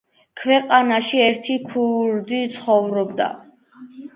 ქვეყანაში ერთი ქურდი ცხოვრობდა